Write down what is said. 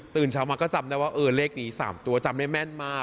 เช้ามาก็จำได้ว่าเออเลขนี้๓ตัวจำได้แม่นมาก